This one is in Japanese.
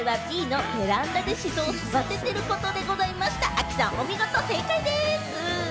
亜希さん、お見事、正解でぃす。